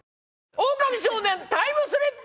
「オオカミ少年」タイムスリップ